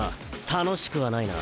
楽しくはないな。